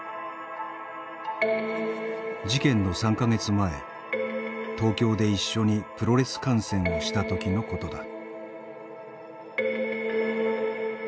事件の３か月前東京で一緒にプロレス観戦をした時のことだ。